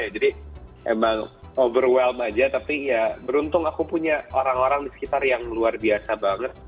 jadi emang overwhelm aja tapi ya beruntung aku punya orang orang di sekitar yang luar biasa banget